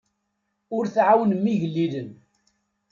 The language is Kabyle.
Ur tɛawnem igellilen.